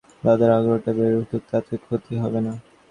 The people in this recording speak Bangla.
দাদার আগ্রহটাও বেড়ে উঠুক, তাতে ক্ষতি হবে না।